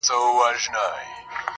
ډک جامونه صراحي ده که صهبا دی.